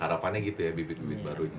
harapannya gitu ya bibit bibit baru ini